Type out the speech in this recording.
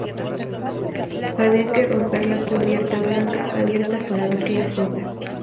Había que romper la cubierta blanca abierta para abrir la cinta.